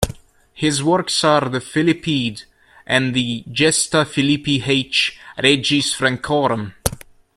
His works are the "Philippide" and the "Gesta Philippi H. regis Francorum".